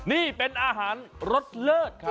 นี่เป็นอาหารรสเลิศครับ